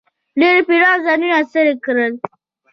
ډېرو پیرانو ځانونه ستړي کړل.